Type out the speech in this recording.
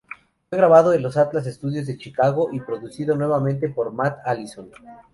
Fue grabado en los Atlas Studios de Chicago y producido nuevamente por Matt Allison.